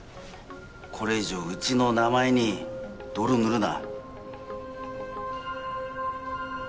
これ以上うちの名前に泥塗るな。